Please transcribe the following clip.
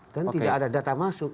kan tidak ada data masuk